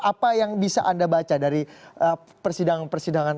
apa yang bisa anda baca dari persidangan persidangan